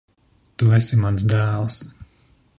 Tu esi mans dēls?